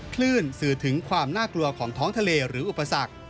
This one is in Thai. คลื่นสื่อถึงความน่ากลัวของท้องทะเลหรืออุปสรรค